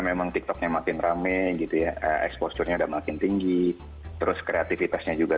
memang tiktoknya makin rame gitu ya exposure nya udah makin tinggi terus kreatifitasnya juga